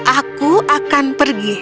aku akan pergi